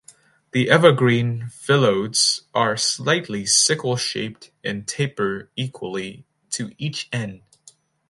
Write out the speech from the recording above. The evergreen phyllodes are slightly sickle shaped and taper equally to each end.